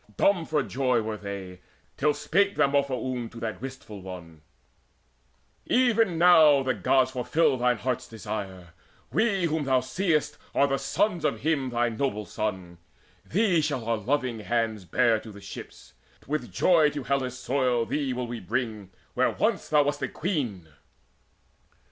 Dumb for joy were they, Till spake Demophoon to that wistful one: "Even now the Gods fulfil thine heart's desire: We whom thou seest are the sons of him, Thy noble son: thee shall our loving hands Bear to the ships: with joy to Hellas' soil Thee will we bring, where once thou wast a queen."